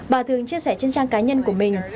bà thường chia sẻ trên trang cá nhân của mình